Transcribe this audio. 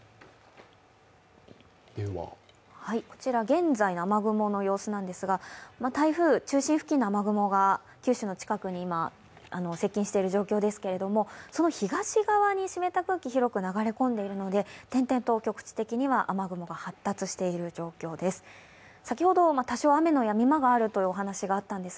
こちら現在の雨雲の様子なんですが、台風中心付近の雨雲が九州の近くに今、接近している状況ですけれども、その東側に湿った空気が広く流れ込んでいるので点々と局地的に雨雲が発達している状況です。